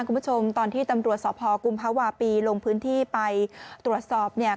คุณผู้ชมตอนที่ตำรวจสพกุมภาวะปีลงพื้นที่ไปตรวจสอบเนี่ย